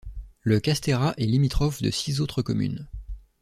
Le Castéra est limitrophe de six autres communes.